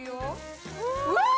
うわ！